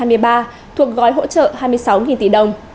quy định hai mươi ba thuộc gói hỗ trợ hai mươi sáu tỷ đồng